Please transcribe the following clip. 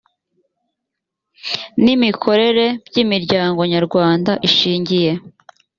n imikorere by imiryango nyarwanda ishingiye